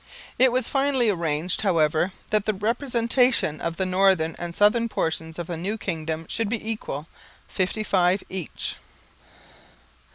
It was finally arranged, however, that the representation of the northern and southern portions of the new kingdom should be equal, 55 each.